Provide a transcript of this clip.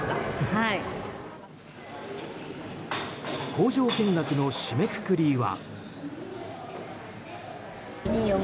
工場見学の締めくくりは。